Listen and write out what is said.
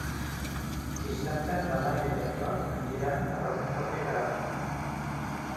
Dissabte na Laia i en Roc aniran a Rocafort de Queralt.